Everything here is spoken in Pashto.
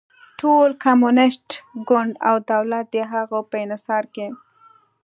ټول کمونېست ګوند او دولت د هغه په انحصار کې و.